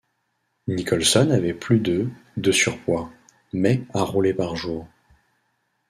Nicholson avait plus de de surpoids, mais a roulé par jour.